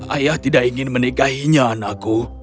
ayah tidak ingin menikahinya anakku